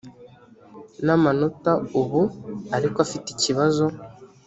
n amanota ubu ariko afite ikibazo